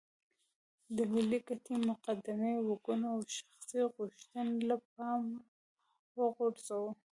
د ملي ګټې مقدمې وګڼو او شخصي غوښتنې له پامه وغورځوو.